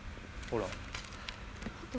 ほら。